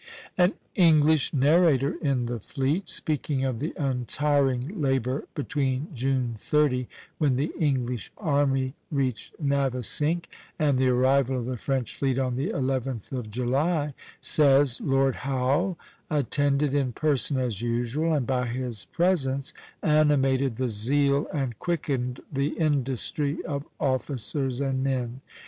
An English narrator in the fleet, speaking of the untiring labor between June 30, when the English army reached Navesink, and the arrival of the French fleet on the 11th of July, says: "Lord Howe attended in person as usual, and by his presence animated the zeal and quickened the industry of officers and men."